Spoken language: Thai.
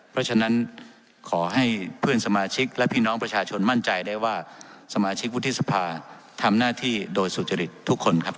เพราะฉะนั้นขอให้เพื่อนสมาชิกและพี่น้องประชาชนมั่นใจได้ว่าสมาชิกวุฒิสภาทำหน้าที่โดยสุจริตทุกคนครับ